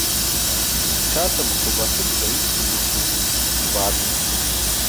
Часам у каўбасу дадаюць трыбухі, скваркі.